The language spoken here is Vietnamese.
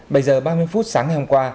bây giờ ba mươi phút sáng ngày hôm qua